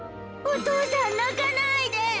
お父さん泣かないで。